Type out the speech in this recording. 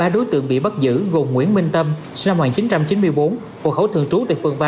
ba đối tượng bị bắt giữ gồm nguyễn minh tâm sinh năm một nghìn chín trăm chín mươi bốn hộ khẩu thường trú tại phường ba